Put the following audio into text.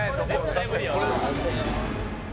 絶対無理よ。